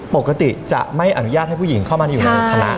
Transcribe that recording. ปกติจะไม่อนุญาตให้ผู้หญิงเข้ามาอยู่ในคณะ